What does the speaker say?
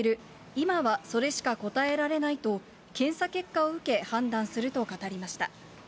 今はそれしか答えられないと、検査結果を受け、判断すると語りました。